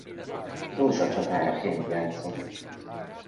Dózsa csatáraként játszott.